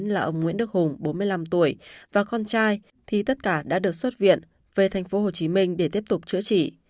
hai nghìn bảy trăm chín mươi chín là ông nguyễn đức hùng bốn mươi năm tuổi và con trai thì tất cả đã được xuất viện về tp hcm để tiếp tục chữa trị